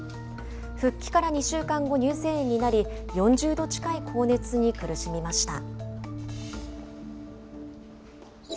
復帰から２週間後、乳腺炎になり、４０度近い高熱に苦しみました。